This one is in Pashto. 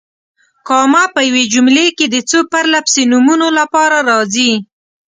کامه په یوې جملې کې د څو پرله پسې نومونو لپاره راځي.